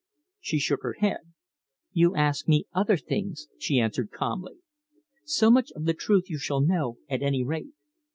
She shook her head. "You asked me other things," she answered calmly. "So much of the truth you shall know, at any rate.